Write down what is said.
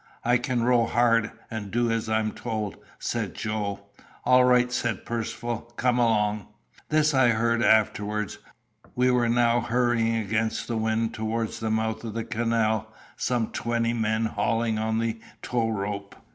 "I can row hard, and do as I'm told," said Joe. "All right," said Percivale; "come along." This I heard afterwards. We were now hurrying against the wind towards the mouth of the canal, some twenty men hauling on the tow rope.